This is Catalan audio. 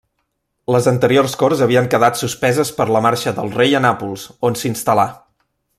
Les anteriors corts havien quedat suspeses per la marxa del rei a Nàpols, on s'instal·là.